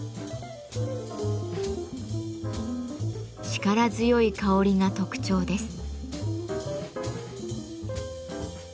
力強い香りが特徴です。